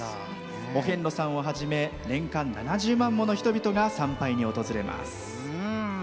お遍路さんをはじめ年間７０万もの人々が参拝に訪れます。